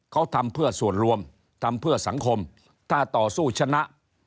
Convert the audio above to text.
เขาทำเพื่อส่วนรวมทำเพื่อสังคมถ้าต่อสู้ชนะ